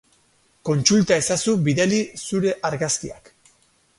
Kontsulta ezazu bidali zure argazkiak.